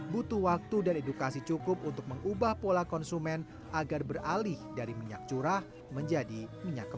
butuh waktu dan edukasi cukup untuk mengubah pola konsumen agar beralih dari minyak curah menjadi minyak goreng